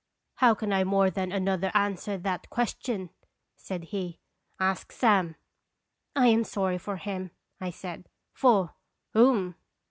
" How can I more than another answer that question?" said he. " Ask Sam." " I am sorry for him," I said. " For whom?"